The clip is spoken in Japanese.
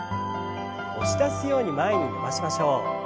押し出すように前に伸ばしましょう。